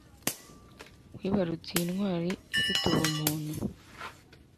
wibarutse iyi intwali ifite ubumuntu